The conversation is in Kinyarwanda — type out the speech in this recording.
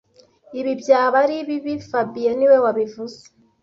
Ibi byaba ari bibi fabien niwe wabivuze